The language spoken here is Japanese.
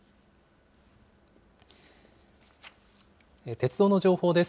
鉄道の情報です。